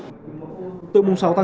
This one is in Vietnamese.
tôi muốn xin cảm ơn các bạn